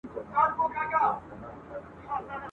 تا مي له سیوري بېلولای نه سم ..